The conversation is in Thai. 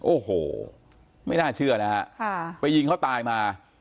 โอ้โหไม่น่าเชื่อนะฮะไปยิงเขาตายมา